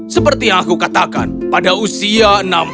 seperti yang aku katakan pada usia enam puluh